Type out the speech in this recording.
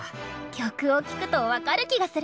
曲を聴くと分かる気がする！